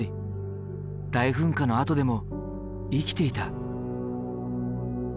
大噴火のあとでも生きていた。